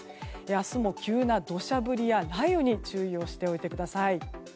明日も急な土砂降りや雷雨に注意をしておいてください。